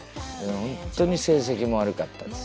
本当に成績も悪かったです。